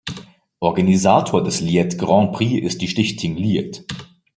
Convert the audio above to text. Organisator des Liet-Grand Prix ist die Stichting Liet.